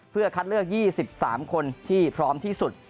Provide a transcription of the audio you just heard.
เพื่อคัดเลือก๒๓คนที่พร้อมที่สุด